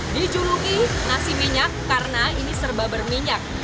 dijuluki nasi minyak karena ini serba berminyak